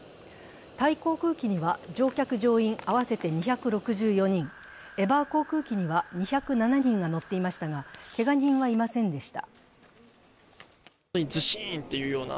タイ航空機には乗客・乗員合わせて２６４人、エバー航空機には２０７人が乗っていましたが、けが人はいませんでした。